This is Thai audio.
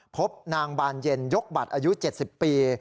พบนางบานเย็นยกบัตรอายุ๗๐ปี